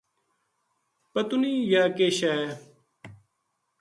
پتو نیہہ یاہ کے شے ہے